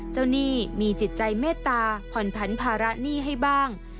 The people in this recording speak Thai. หนี้มีจิตใจเมตตาผ่อนผันภาระหนี้ให้บ้าง